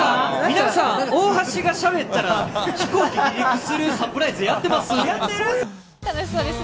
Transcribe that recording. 皆さん、大橋がしゃべったら飛行機離陸するサプライズやってます？